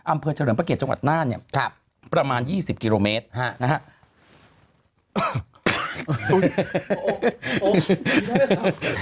อำเภอเฉริงประเกษจังหวัดน่านเนี่ยประมาณ๒๐กิโลเมตรนะครับ